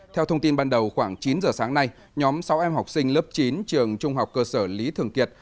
theo thông tin ban đầu khoảng chín giờ sáng nay nhóm sáu em học sinh lớp chín trường trung học cơ sở lý thường kiệt